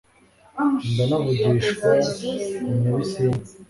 ndanavugishwa ni nyabisindu..